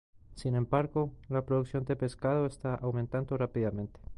Sin embargo, la producción de pescado está aumentando rápidamente.